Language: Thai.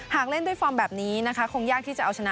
เล่นด้วยฟอร์มแบบนี้นะคะคงยากที่จะเอาชนะ